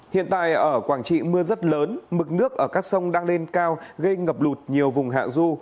hiện tại ở quảng trị mưa rất lớn mực nước ở các sông đang lên cao gây ngập lụt nhiều vùng hạ du